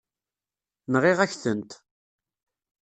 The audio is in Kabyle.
Nɣiɣ-ak-tent.